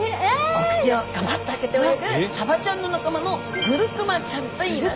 お口をがばっと開けて泳ぐサバちゃんの仲間のグルクマちゃんといいます。